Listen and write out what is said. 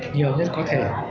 nhiều nhất có thể